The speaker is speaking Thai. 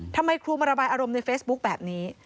ทำไมครูมาระบายอารมณ์ในเฟซบุ๊คแบบนี้